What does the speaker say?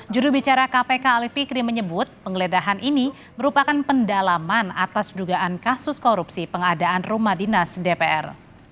jurubicara kpk ali fikri menyebut penggeledahan ini merupakan pendalaman atas dugaan kasus korupsi pengadaan rumah dinas dpr